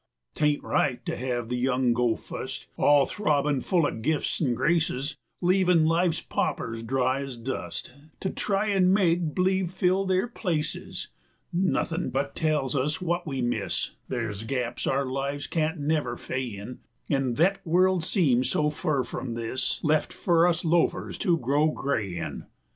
'T ain't right to hev the young go fust, All throbbin' full o' gifts an' graces, Leavin' life's paupers dry ez dust To try an' make b'lieve fill their places: 140 Nothin' but tells us wut we miss, Ther' 's gaps our lives can't never fay in, An' thet world seems so fur from this Lef' for us loafers to grow gray in!